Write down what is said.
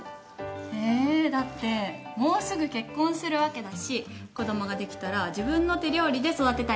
えだってもうすぐ結婚するわけだし子供ができたら自分の手料理で育てたいじゃん。